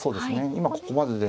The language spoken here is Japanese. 今ここまでで。